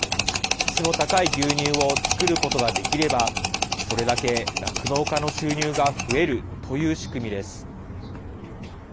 質の高い牛乳を作ることができればそれだけ酪農家の収入が増えるという仕組みです。